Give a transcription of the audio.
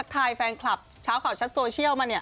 ฝากเฟินคลับชาวเขาชัดโซเชียลมาเนี่ย